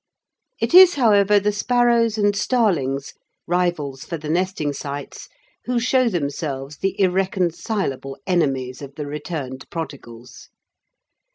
It is, however, the sparrows and starlings, rivals for the nesting sites, who show themselves the irreconcilable enemies of the returned prodigals.